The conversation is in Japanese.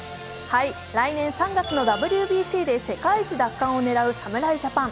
来年３月のＷＢＣで世界一奪還を狙う侍ジャパン。